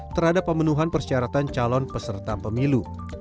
terhadap pemenuhan persyaratan calon peserta pemilu